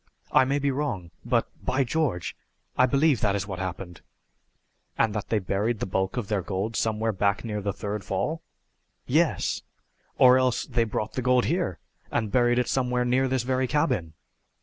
I may be wrong, but by George, I believe that is what happened!" "And that they buried the bulk of their gold somewhere back near the third fall?" "Yes; or else they brought the gold here and buried it somewhere near this very cabin!"